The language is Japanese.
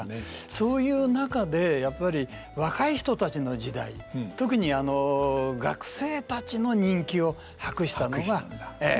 そういう中でやっぱり若い人たちの時代特に学生たちの人気を博したのがええ